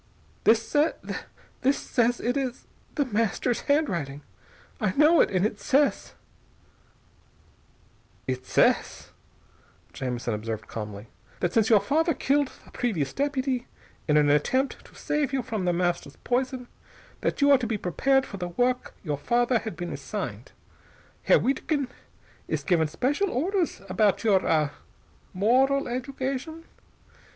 "This this says.... It is The Master's handwriting! I know it! And it says " "It says," Jamison observed calmly, "that since your father killed the previous deputy in an attempt to save you from The Master's poison, that you are to be prepared for the work your father had been assigned. Herr Wiedkind is given special orders about your ah moral education.